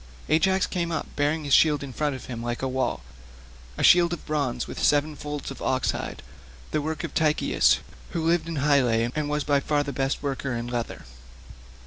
Ajax came up bearing his shield in front of him like a wall—a shield of bronze with seven folds of ox hide—the work of Tychius, who lived in Hyle and was by far the best worker in leather.